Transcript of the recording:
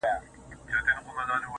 ښاغلي اڅکزي پر ډیورنډ کرښه